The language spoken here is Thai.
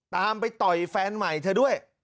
ตามไปต่อยแฟนใหม่เธอด้วย